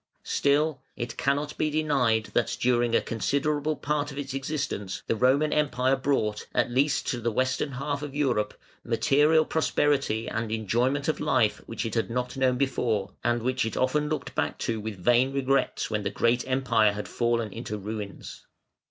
Still it cannot be denied that during a considerable part of its existence the Roman Empire brought, at least to the western half of Europe, material prosperity and enjoyment of life which it had not known before, and which it often looked back to with vain regrets when the great Empire had fallen into ruins.